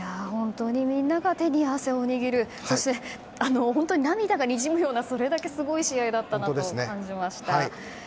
みんなが手に汗を握る本当に涙がにじむようなそれだけすごい試合だったなと感じました。